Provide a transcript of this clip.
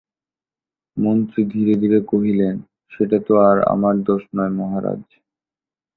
মন্ত্রী ধীরে ধীরে কহিলেন, সেটা তো আর আমার দোষ নয় মহারাজ।